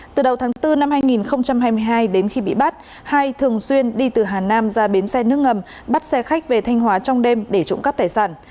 từ đầu tháng bốn năm hai nghìn hai mươi hai đến khi bị bắt hai thường xuyên đi từ hà nam ra bến xe nước ngầm bắt xe khách về thanh hóa trong đêm để trộm cắp tài sản